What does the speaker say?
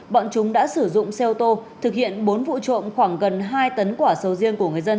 bọn chúng đã sử dụng xe ô tô thực hiện bốn vụ trộm khoảng gần hai tấn quả sầu riêng của người dân